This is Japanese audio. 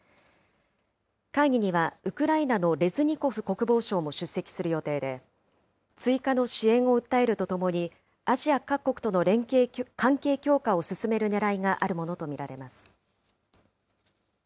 会議にはウクライナのレズニコフ国防相も出席する予定で、追加の支援を訴えるとともに、アジア各国との関係強化を進めるねらいがあるものと見られます。